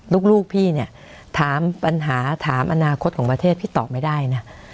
ลูกพี่เนี่ยถามปัญหาถามอนาคตของประเทศพี่ตอบไม่ได้นะ